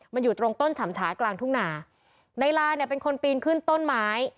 มันอยู่ตรงต้นฉ่ำฉากลางทุ่งนาในลาเนี่ยเป็นคนปีนขึ้นต้นไม้